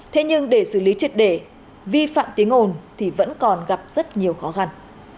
thế nhưng để xử lý triệt để vi phạm tiếng ồn thì vẫn còn gặp rất nhiều khó khăn